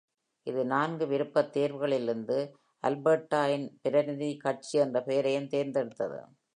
இது நான்கு விருப்பத்தேர்வுகளிலிருந்து Alberta இன் பிரதிநிதி கட்சி என்ற பெயரையும் தேர்ந்தெடுத்தது.